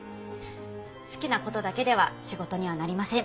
好きなことだけでは仕事にはなりません。